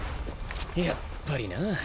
やっぱりな。